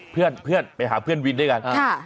เพื่อนไปหาเพื่อนวินด้วยกัน